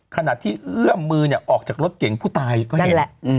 ขณะที่เอื้อมมือเนี่ยออกจากรถเก่งผู้ตายก็นี่แหละ